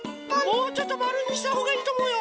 もうちょっとまるにしたほうがいいとおもうよ。